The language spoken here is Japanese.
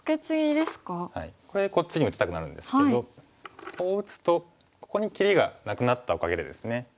これこっちに打ちたくなるんですけどこう打つとここに切りがなくなったおかげでですね